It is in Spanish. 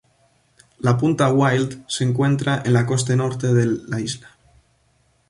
La punta Wild se encuentra en la costa norte de la isla.